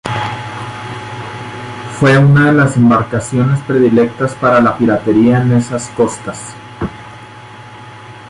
Fue una de las embarcaciones predilectas para la piratería en esas costas.